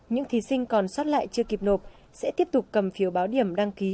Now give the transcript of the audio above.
những thí sinh còn sót lại chưa kịp nộp sẽ tiếp tục cầm phiếu báo điểm đăng ký